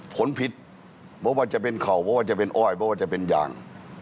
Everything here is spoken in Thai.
ผลผิดเพราะว่าจะเป็นเข่าเพราะว่าจะเป็นอ้อยเพราะว่าจะเป็นอย่าง